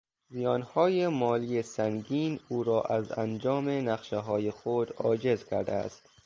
زیانهای مالی سنگین او را از انجام نقشههای خود عاجز کرده است.